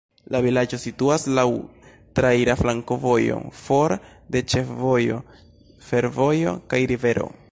La vilaĝo situas laŭ traira flankovojo, for de ĉefvojo, fervojo kaj rivero.